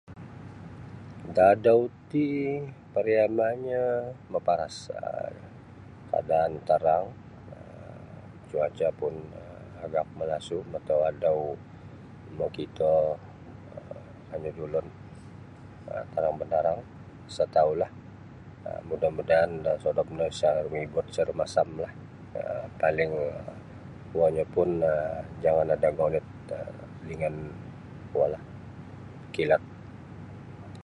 Dadau ti pariamanyo maparas um kadaan tarang um cuaca pun um agak malasu matu adau makito kanyu da ulun um tarang bandarang isa tau lah mudaan-mudaan da sodop no isa miugut isa rumasam lah paling kuo nyo pun jangan ada gonit lah dengan kuo la kilat.